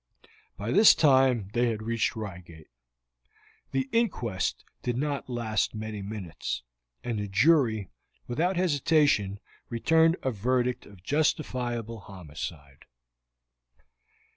By this time they had reached Reigate. The inquest did not last many minutes, and the jury without hesitation returned a verdict of justifiable homicide.